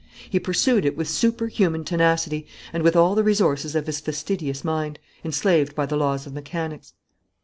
He pursued it with superhuman tenacity and with all the resources of his fastidious mind, enslaved by the laws of mechanics.